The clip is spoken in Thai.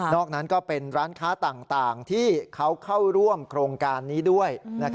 นั้นก็เป็นร้านค้าต่างที่เขาเข้าร่วมโครงการนี้ด้วย